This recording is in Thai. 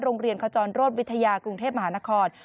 โรงเรียนขจรโรศวิทยากรุงเทพย์มหานคร